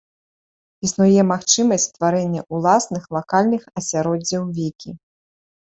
Існуе магчымасць стварэння ўласных лакальных асяроддзяў вікі.